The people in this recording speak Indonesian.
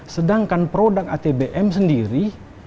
sedangkan produk atbm sendiri